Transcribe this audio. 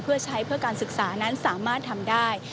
เพื่อใช้เพื่อการศึกษานั้นสามารถทำได้